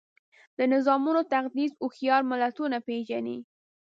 د نظامونو تقدس هوښیار ملتونه پېژني.